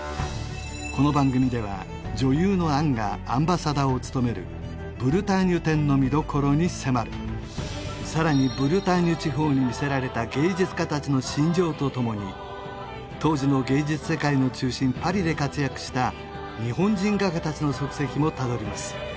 この番組では女優の杏がアンバサダーを務めるブルターニュ展の見どころに迫るさらにブルターニュ地方に魅せられた芸術家たちの心情とともに当時の芸術世界の中心パリで活躍した日本人画家たちの足跡もたどります